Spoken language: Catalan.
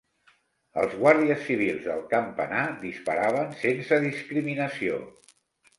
Els guàrdies civils del campanar disparaven sense discriminació